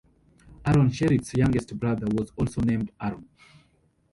Aaron Sherritt's youngest brother was also named Aaron.